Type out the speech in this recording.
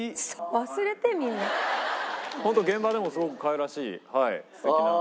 ホント現場でもすごくかわいらしい素敵な。